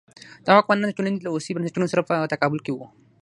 دغه واکمنان د ټولنې له ولسي بنسټونو سره په تقابل کې وو.